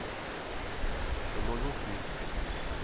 Chamou-lhe um figo.